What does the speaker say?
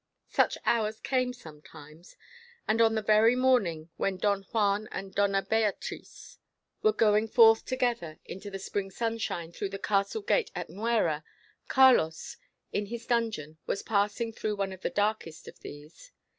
Such hours came sometimes. And on the very morning when Don Juan and Doña Beatriz were going forth together into the spring sunshine through the castle gate of Nuera, Carlos, in his dungeon, was passing through one of the darkest of these.